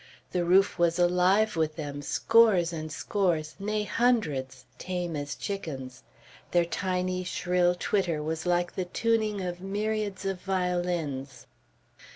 The roof was alive with them, scores and scores, nay hundreds, tame as chickens; their tiny shrill twitter was like the tuning of myriads of violins.